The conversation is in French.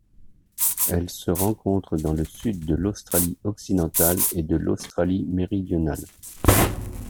Elle se rencontre dans le sud de l'Australie-Occidentale et de l'Australie-Méridionale.